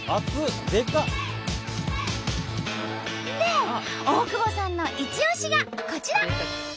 で大久保さんのいち押しがこちら。